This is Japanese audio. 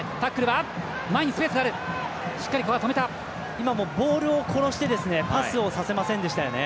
今もボールを殺してパスをさせませんでしたよね。